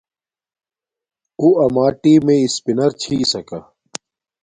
اُݸ امݳ ٹݵمݵئ اِسپِنَر چھݵسَکݳ.